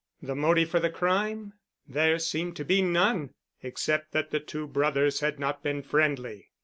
The motive for the crime? There seemed to be none—"except that the two brothers had not been friendly."